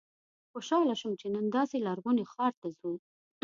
خوشاله شوم چې نن داسې لرغوني ښار ته ځو.